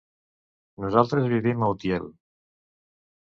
Nosaltres vivim a Utiel.